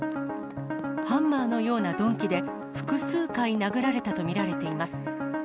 ハンマーのような鈍器で複数回殴られたと見られています。